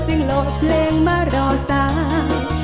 จึงหลบเพลงมารอสาย